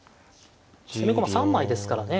攻め駒３枚ですからね。